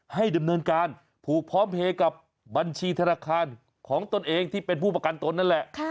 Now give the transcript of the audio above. ให้ดำเนินการผูกพร้อมเพย์กับบัญชีธนาคารของตนเองที่เป็นผู้ประกันตนนั่นแหละ